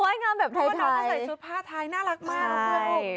รวายงามแบบไทยว่าน้องจะใส่ชุดผ้าไทยน่ารักมาก